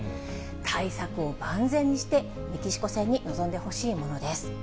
対策を万全にして、メキシコ戦に臨んでほしいものです。